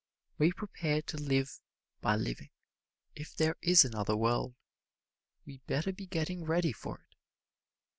We prepare to live by living. If there is another world we better be getting ready for it.